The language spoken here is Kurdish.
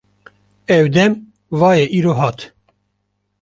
Ew dem va ye îro hat.